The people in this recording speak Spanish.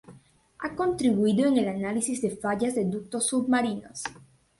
Ha contribuido en el análisis de fallas de ductos submarinos.